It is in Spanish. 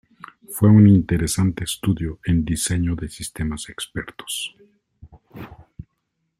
Fue un interesante estudio en diseño de sistemas expertos.